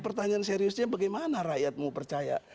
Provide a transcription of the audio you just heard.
pertanyaan seriusnya bagaimana rakyat mau percaya